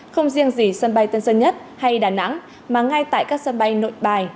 không riêng gì sân bay tân sơn nhất hay đà nẵng mà ngay tại các sân bay nội bài